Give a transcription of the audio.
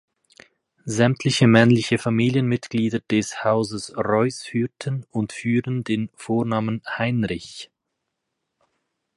Sämtliche männliche Familienmitglieder des Hauses Reuß führten und führen den Vornamen Heinrich.